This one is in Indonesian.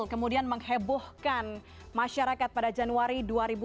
kemudian menghebohkan masyarakat pada januari dua ribu sembilan belas